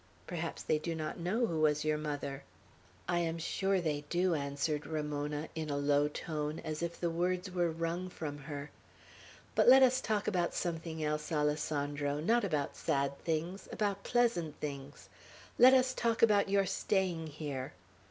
Perhaps they do not know who was your mother?" "I am sure they do," answered Ramona, in a low tone, as if the words were wrung from her. "But let us talk about something else, Alessandro; not about sad things, about pleasant things. Let us talk about your staying here."